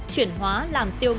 chuyển hóa làm tiêu mỡ